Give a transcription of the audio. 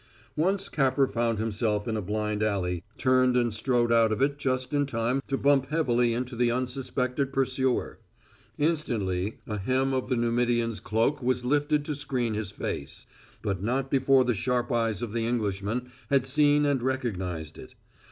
Once Capper found himself in a blind alley, turned and strode out of it just in time to bump heavily into the unsuspected pursuer. Instantly a hem of the Numidian's cloak was lifted to screen his face, but not before the sharp eyes of the Englishman had seen and recognized it.